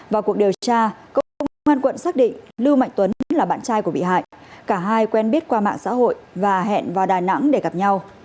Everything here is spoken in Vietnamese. vào cuộc điều tra công an quận xác định lưu mạnh tuấn là bạn trai của bị hại cả hai quen biết qua mạng xã hội và hẹn vào đà nẵng để gặp nhau